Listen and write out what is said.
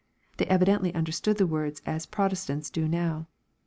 They evidently understood the words as Protestants do now.